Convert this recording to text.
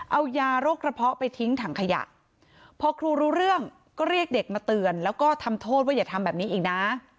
เอายาโรคกระเพาะไปทิ้งถังขยะพอครูรู้เรื่องก็เรียกเด็กมาเตือนแล้วก็ทำโทษว่าอย่าทำแบบนี้อีกนะ